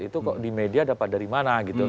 itu kok di media dapat dari mana gitu